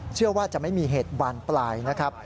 เชื่อว่าจะไม่มีเหตุบานปลายนะครับ